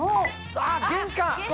あっ玄関！